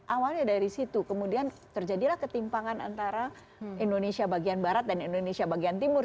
awalnya dari situ kemudian terjadilah ketimpangan antara indonesia bagian barat dan indonesia bagian timur